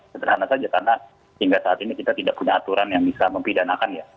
sederhana saja karena hingga saat ini kita tidak punya aturan yang bisa mempidanakan ya